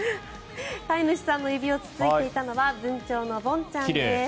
飼い主さんの指をつついていたのはブンチョウのボンちゃんです。